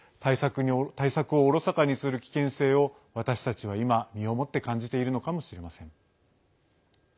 対策をおろそかにする危険性を私たちは今、身をもって感じているのかもしれません。